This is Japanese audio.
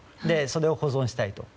それを保存したいと。